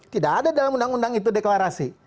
tidak ada dalam undang undang itu deklarasi